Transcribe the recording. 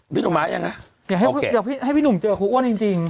พี่หนุ่มมาแล้วยังฮะโอเคอยากให้พี่หนุ่มเจอคุณอ้วนจริง